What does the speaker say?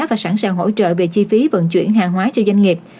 và sẵn sàng hỗ trợ về chi phí vận chuyển hàng hóa cho doanh nghiệp